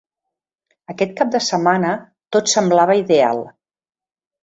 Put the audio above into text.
Aquest cap de setmana, tot semblava ideal.